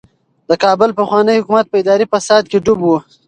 د کابل پخوانی حکومت په اداري فساد کې ډوب و.